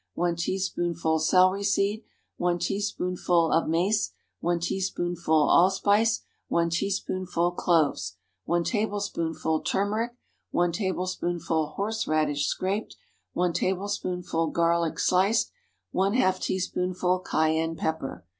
1 teaspoonful celery seed. 1 teaspoonful of mace. 1 teaspoonful allspice. 1 teaspoonful cloves. 1 tablespoonful turmeric. 1 tablespoonful horseradish, scraped. 1 tablespoonful garlic, sliced. ½ teaspoonful cayenne pepper.